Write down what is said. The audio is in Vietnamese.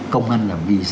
công an là vì xã hội